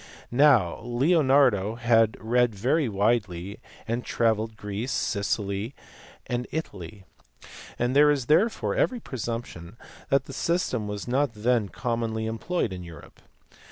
Now Leonardo had read very widely, and had travelled in Greece, Sicily, and Italy; and there is therefore every presumption that the system was not then com monly employed in Europe.